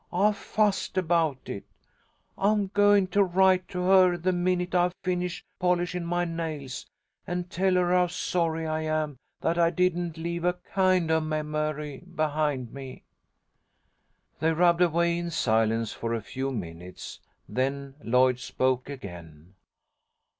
I fussed about it. I'm goin' to write to her the minute I finish polishin' my nails, and tell her how sorry I am that I didn't leave a kindah memory behind me." They rubbed away in silence for a few minutes, then Lloyd spoke again.